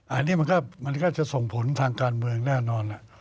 อันนี้มันก็จะส่งผลทางการเมืองแน่นอน